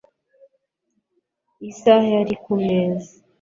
Isaha ya iri kumeza